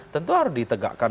tentu harus ditegakkan